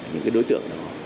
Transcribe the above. những cái đối tượng đó